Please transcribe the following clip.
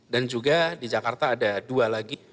dan juga di jakarta ada dua lagi